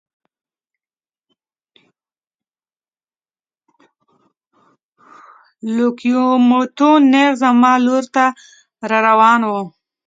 لوکوموتیو نېغ زما لور ته را روان و.